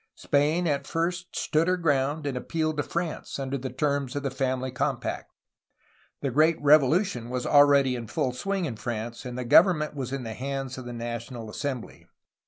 Spain at first stood her ground, and appealed to France under the terms of the Family Compact. The great Revolution was already in full swing in France, and the government was in the hands of the National Assembly.